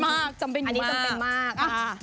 อันนี้จำเป็นมาก